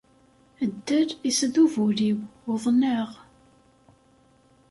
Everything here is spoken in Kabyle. Ddel isdub ul-iw, uḍneɣ.